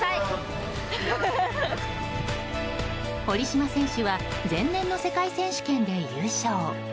堀島選手は前年の世界選手権で優勝。